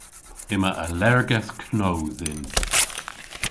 Yma allergedh know dhyn.